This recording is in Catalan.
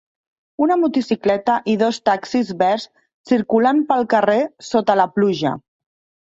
Una motocicleta i dos taxis verds circulen pel carrer sota la pluja.